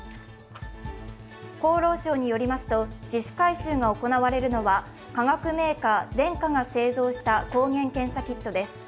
厚労省によりますと、自主回収が行われるのは化学メーカー、デンカが製造した抗原検査キットです。